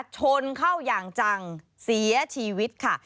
ชนเข้าอย่างจังเสียชีวิตค่ะ